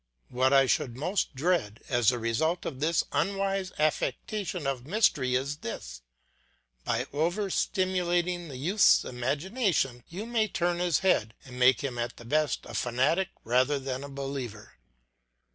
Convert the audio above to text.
What I should most dread as the result of this unwise affectation of mystery is this: by over stimulating the youth's imagination you may turn his head, and make him at the best a fanatic rather than a believer.